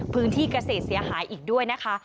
พื้นที่เกษตรเสียหายอีกด้วยนะคะ